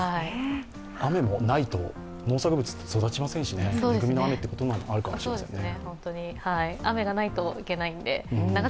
雨もないと農作物って育ちませんし、恵みの雨ということもあるかもしれませんね。